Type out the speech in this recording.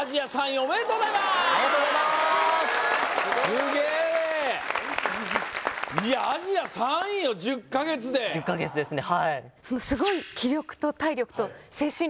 すげえいやアジア３位よ１０か月で１０か月ですね